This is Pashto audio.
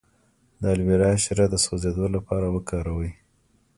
د الوویرا شیره د سوځیدو لپاره وکاروئ